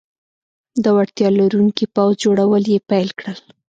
د وړتیا لرونکي پوځ جوړول یې پیل کړل.